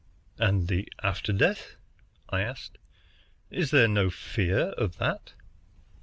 "And the after death," I asked, "is there no: fear of that?"